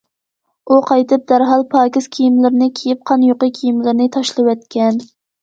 ئۇ قايتىپ دەرھال پاكىز كىيىملىرىنى كىيىپ، قان يۇقى كىيىملىرىنى تاشلىۋەتكەن.